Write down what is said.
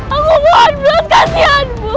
aku mohon beras kasihanmu